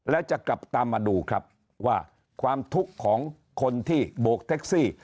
แล้วจะกลับตามมาดูครับว่าความทุกข์ของคนที่โบกแท็กซี่